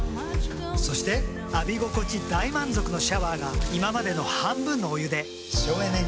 そして浴び心地大満足のシャワーが今までの半分のお湯で省エネに。